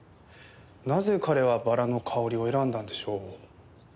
なぜ彼はバラの香りを選んだんでしょう。